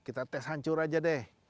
kita tes hancur aja deh